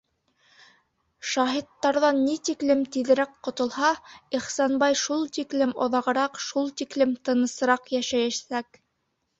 Шаһиттарҙан ни тиклем тиҙерәк ҡотолһа, Ихсанбай шул тиклем оҙағыраҡ, шул тиклем тынысыраҡ йәшәйәсәк...